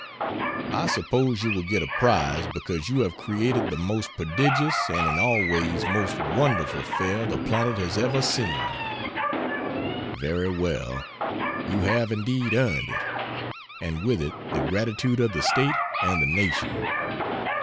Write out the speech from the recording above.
I suppose you will get a prize, because you have created the most prodigious and in all ways most wonderful Fair the planet has ever seen. Very well, you have indeed earned it: and with it the gratitude of the State and the nation.